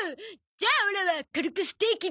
じゃあオラは軽くステーキで。